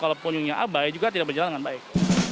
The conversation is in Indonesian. kalau pengunjungnya abai juga tidak berjalan dengan baik